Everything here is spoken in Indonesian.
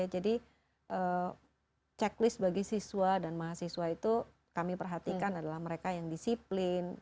jadi checklist bagi siswa dan mahasiswa itu kami perhatikan adalah mereka yang disiplin